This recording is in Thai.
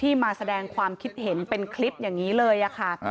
มาแสดงความคิดเห็นเป็นคลิปอย่างนี้เลยค่ะ